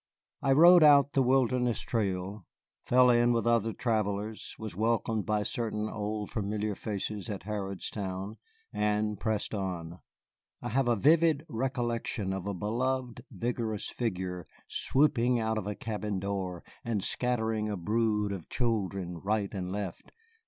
I rode out the Wilderness Trail, fell in with other travellers, was welcomed by certain old familiar faces at Harrodstown, and pressed on. I have a vivid recollection of a beloved, vigorous figure swooping out of a cabin door and scattering a brood of children right and left.